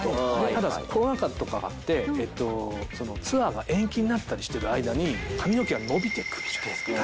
ただコロナ禍とかがあってツアーが延期になったりしている間に髪の毛が伸びてくるじゃないですか。